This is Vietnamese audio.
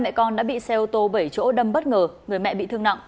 mẹ con đã bị xe ô tô bảy chỗ đâm bất ngờ người mẹ bị thương nặng